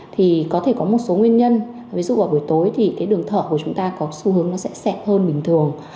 thì có thể có một số nguyên nhân ví dụ vào buổi tối thì đường thở của chúng ta có xu hướng sẽ sẹp hơn bình thường